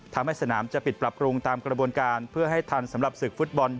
ทำให้สนามจะปิดปรับปรุงตามกระบวนการเพื่อให้ทันสำหรับศึกฟุตบอล